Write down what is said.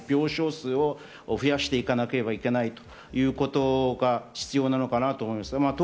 病床数を増やしていかなくてはいけないということが必要なのかなと思います。